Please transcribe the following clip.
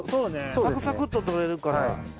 サクサクっと採れるから。